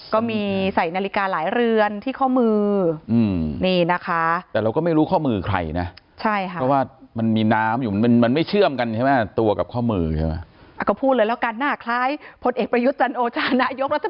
ก็พูดเลยแล้วกัน